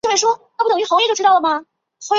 年龄限制是怎样